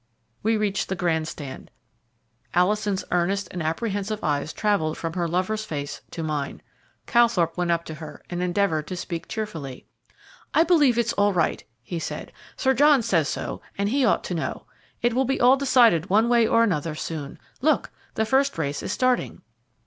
We reached the grand stand. Alison's earnest and apprehensive eyes travelled from her lover's face to mine. Calthorpe went up to her and endeavoured to speak cheerfully. "I believe it's all right," he said. "Sir John says so, and he ought to know. It will be all decided one way or another soon. Look, the first race is starting."